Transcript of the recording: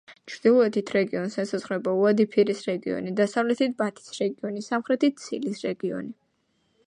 ჩრდილოეთით რეგიონს ესაზღვრება უადი-ფირის რეგიონი, დასავლეთით ბათის რეგიონი, სამხრეთით სილის რეგიონი.